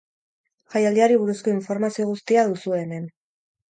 Jaialdiari buruzko informazio guztia duzue hemen.